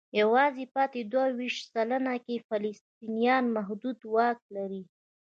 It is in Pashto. یوازې پاتې دوه ویشت سلنه کې فلسطینیان محدود واک لري.